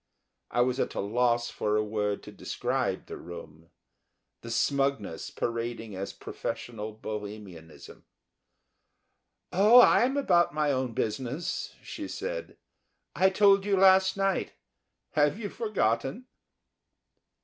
I was at a loss for a word to describe the room the smugness parading as professional Bohemianism. "Oh, I am about my own business," she said, "I told you last night have you forgotten?"